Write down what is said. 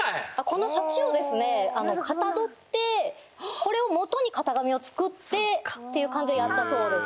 この鉢をかたどってこれをもとに型紙を作ってっていう感じでやったそうです